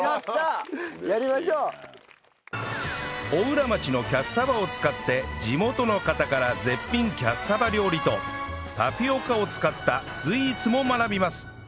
邑楽町のキャッサバを使って地元の方から絶品キャッサバ料理とタピオカを使ったスイーツも学びます